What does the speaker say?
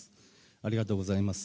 ありがとうございます。